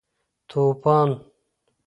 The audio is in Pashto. توپان